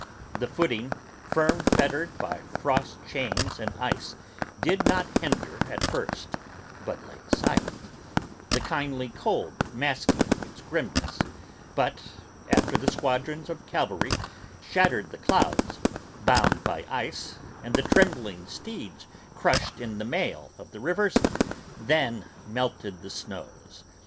The footing, firm fettered by frost chains and ice, did not hinder At first, but lay silent, the kindly cold masking its grimness; But, after the squadrons of cavalry shattered the clouds, bound By ice, and the trembling steeds crushed in the mail of the rivers, Then, melted the snows!